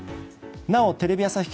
なおテレビ朝日